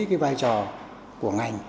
cái vai trò của ngành